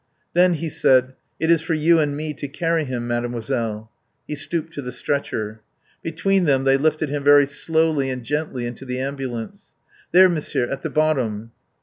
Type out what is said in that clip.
"Then," he said, "it is for you and me to carry him, Mademoiselle." He stooped to the stretcher. Between them they lifted him very slowly and gently into the ambulance. "There, Monsieur, at the bottom."